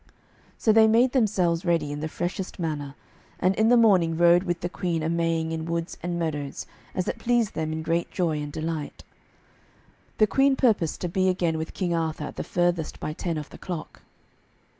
So they made themselves ready in the freshest manner, and in the morning rode with the Queen a Maying in woods and meadows as it pleased them in great joy and delight. The Queen purposed to be again with King Arthur at the furthest by ten of the clock.